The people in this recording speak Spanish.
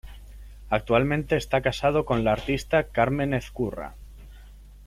Actualmente está casado con la artista Carmen Ezcurra.